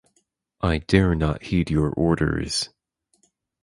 I dare not heed your orders.